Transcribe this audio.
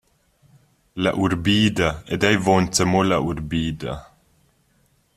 La urbida, ed ei vonza mo la urbida.